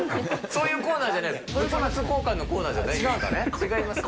そういうコーナーじゃないんです。